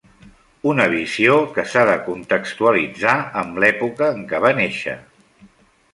Una visió que s'ha de contextualitzar amb l'època en què va néixer.